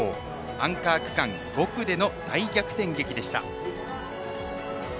アンカー区間、５区での大逆転劇でした。